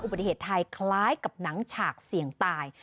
ปฏิเหตุไทยคล้ายกับหนังฉากเสี่ยงตาย